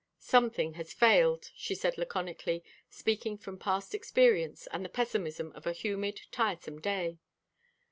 "Something has failed," she said, laconically, speaking from past experience and the pessimism of a humid, tiresome day.